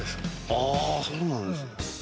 ああそうなんですね。